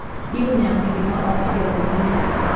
Even now he could not altogether believe it.